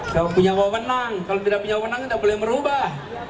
kalau punya wawenang kalau tidak punya kewenangan tidak boleh merubah